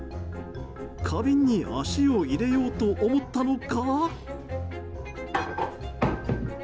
花瓶に脚を入れようと思ったのか。